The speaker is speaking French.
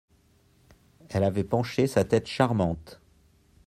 Elle avait penché sa tête charmante.